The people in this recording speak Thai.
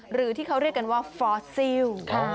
หรือที่เขาเรียกกันว่าฟอสซิล